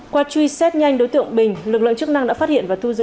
qua truy xét nhanh đối tượng bình lực lượng chức năng đã phát hiện và thu giữ